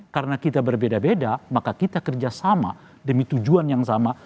karena kita berbeda beda maka kita kerja sama demi tujuan yang sama